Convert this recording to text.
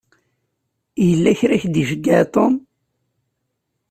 Yella kra i ak-d-iceyyeɛ Tom.